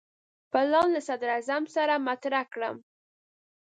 پلان له صدراعظم سره مطرح کړم.